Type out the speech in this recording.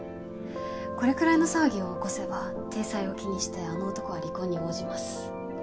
これくらいの騒ぎを起こせば体裁を気にしてあの男は離婚に応じます。